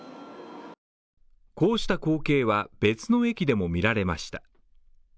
こうした光景は別の駅でも見られました。